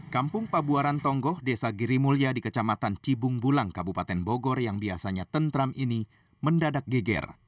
kampung pabuaran tonggoh desa girimulya di kecamatan cibung bulang kabupaten bogor yang biasanya tentram ini mendadak geger